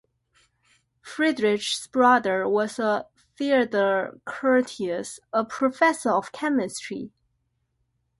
Friedrich's brother was Theodor Curtius, a professor of chemistry.